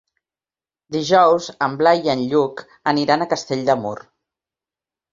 Dijous en Blai i en Lluc aniran a Castell de Mur.